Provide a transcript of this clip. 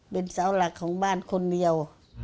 เป็นเสาหลักของบ้านคนเดียว